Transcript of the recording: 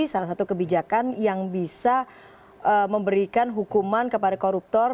salah satu kebijakan yang bisa memberikan hukuman kepada koruptor